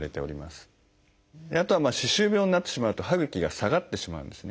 あとは歯周病になってしまうと歯ぐきが下がってしまうんですね。